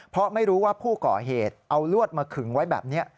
เพราะไม่รู้ว่าผู้ก่อเหตุเอาลวดมาขึงไว้แบบนี้